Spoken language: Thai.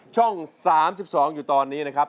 ช่อง๓๒อยู่ตอนนี้นะครับ